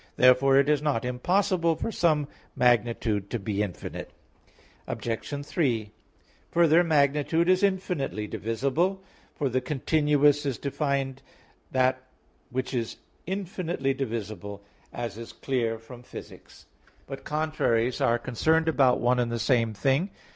Therefore it is not impossible for some magnitude to be infinite. Obj. 3: Further, magnitude is infinitely divisible, for the continuous is defined that which is infinitely divisible, as is clear from Phys. iii. But contraries are concerned about one and the same thing.